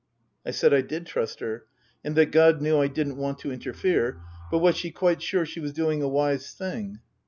I said I did trust her, and that God knew I didn't want to interfere, but was she quite sure she was doing a wise thing